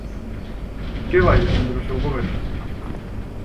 ¿Que vai defender o seu Goberno?